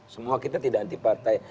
semua kita tidak anti partai